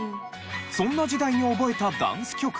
そんな時代に覚えたダンス曲がこちら。